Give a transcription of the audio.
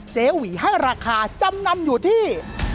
หวีให้ราคาจำนำอยู่ที่